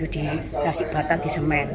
dikasih bata di semen